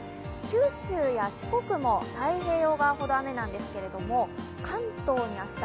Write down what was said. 九州や四国も太平洋側ほど雨なんですけど、関東に明日。